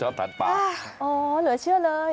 แฮ้วเหลือเชื่อเลย